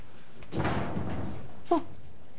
あっ。